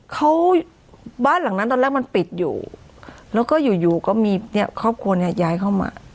เขาบ้านหลังนั้นตอนแรกมันปิดอยู่แล้วก็อยู่อยู่ก็มีเนี่ยครอบครัวเนี้ยย้ายเข้ามา